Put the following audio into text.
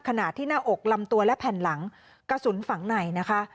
ขณะที่หน้าอกลำตัวและแผ่นหลังกระสุนฝังในนะคะ